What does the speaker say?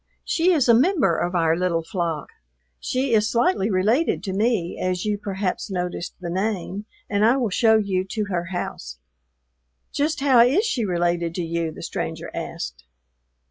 "She is a member of our little flock. She is slightly related to me, as you perhaps noticed the name, and I will show you to her house." "Just how is she related to you?" the stranger asked.